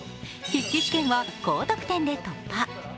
筆記試験は高得点で突破。